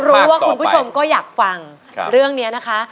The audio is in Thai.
คุณผู้ชมก็อยากฟังเรื่องนี้นะคะ